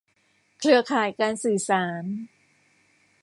เครือข่ายการสื่อสาร